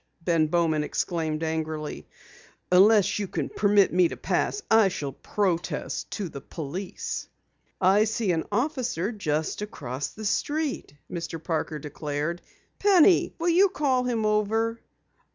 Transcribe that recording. Ben Bowman exclaimed angrily. "Unless you permit me to pass, I shall protest to the police." "I see an officer just across the street," Mr. Parker declared. "Penny, will you call him over?"